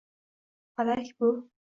Falak — bu…